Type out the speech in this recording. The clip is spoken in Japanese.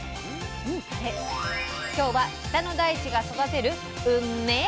今日は北の大地が育てるうんめぇ